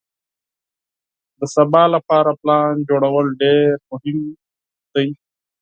د سبا لپاره پلان جوړول ډېر مهم دي.